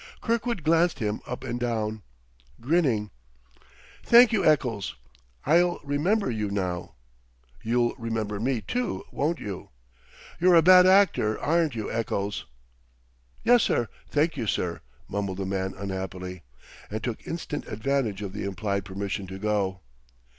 Kirkwood glanced him up and down, grinning. "Thank you, Eccles; I'll remember you now. You'll remember me, too, won't you? You're a bad actor, aren't you, Eccles?" "Yes, sir; thank you, sir," mumbled the man unhappily; and took instant advantage of the implied permission to go.